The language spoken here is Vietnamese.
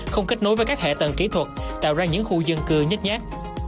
không kết nối với các hệ tầng kỹ thuật tạo ra những khu dân cư nhất nhát